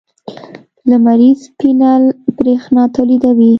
لمریز پینل برېښنا تولیدوي.